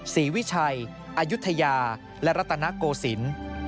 วิชัยอายุทยาและรัตนโกศิลป์